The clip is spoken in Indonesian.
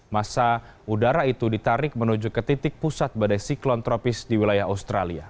masa udara itu ditarik menuju ke titik pusat badai siklon tropis di wilayah australia